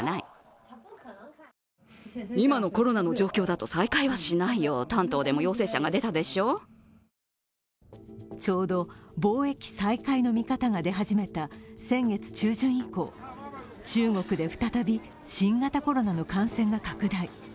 ところがちょうど貿易再開の見方が出始めた先月中旬以降中国で再び、新型コロナの感染が拡大。